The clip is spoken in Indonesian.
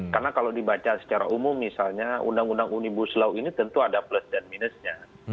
karena kalau dibaca secara umum misalnya undang undang omnibus law ini tentu ada plus dan minusnya